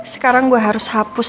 sekarang gue harus hapus